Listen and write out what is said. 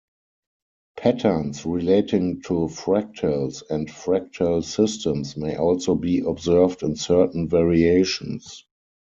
Patterns relating to fractals and fractal systems may also be observed in certain variations.